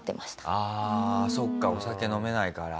ああそっかお酒飲めないから。